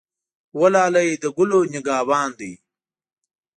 وه لالی د ګلو نګه وان دی.